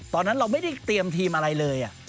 ตอนนั้นเราไม่ได้เตรียมทีมอะไรเลย